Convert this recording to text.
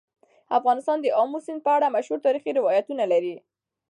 افغانستان د آمو سیند په اړه مشهور تاریخي روایتونه لري.